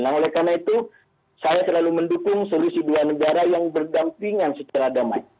nah oleh karena itu saya selalu mendukung solusi dua negara yang berdampingan secara damai